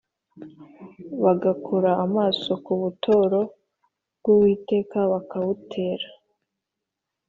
bagakura amaso ku buturo bw Uwiteka bakabutera